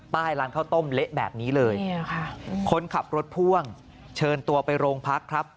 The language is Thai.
ร้านข้าวต้มเละแบบนี้เลยคนขับรถพ่วงเชิญตัวไปโรงพักครับ